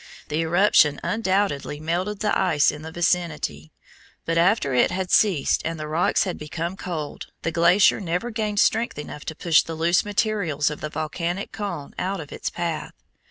The eruption undoubtedly melted the ice in the vicinity, but after it had ceased and the rocks had become cold, the glacier never gained strength enough to push the loose materials of the volcanic cone out of its path.